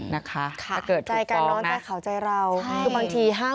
นะคะถ้าเกิดถูกฟ้องนะใช่ค่ะใจการนอนใจข่าวใจเรา